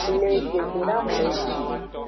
Le gbedodaxu.